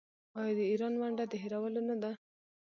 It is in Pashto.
آیا د ایران ونډه د هیرولو نه ده؟